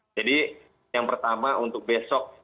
jadi yang pertama untuk besok